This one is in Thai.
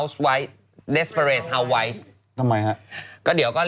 สุดเลย